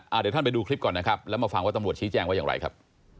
เดี๋ยวท่านไปดูคลิปก่อนนะครับแล้วมาฟังว่าตำรวจชี้แจงว่าอย่างไรครับ